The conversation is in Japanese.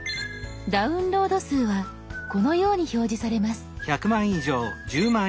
「ダウンロード数」はこのように表示されます。